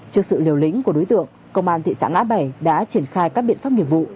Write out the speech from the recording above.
trước sự liều lĩnh của đối tượng công an thị xã ngã bảy đã triển khai các biện pháp nghiệp vụ